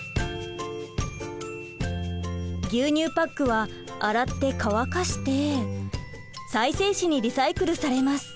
牛乳パックは洗って乾かして再生紙にリサイクルされます。